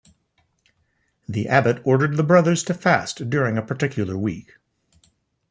The abbot ordered the brothers to fast during a particular week.